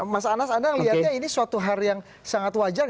mas anas anda melihatnya ini suatu hal yang sangat wajar